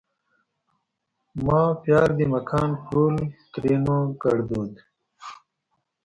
ما پیار دې مکان پرول؛ ترينو کړدود